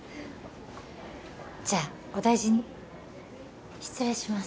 じゃあお大事に失礼します